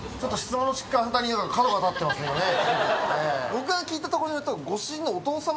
僕が聞いたところによると。